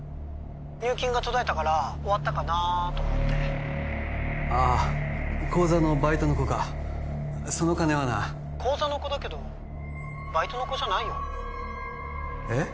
☎入金が途絶えたから☎終わったかなと思ってああ口座のバイトの子かその金はな☎口座の子だけど☎バイトの子じゃないよえっ？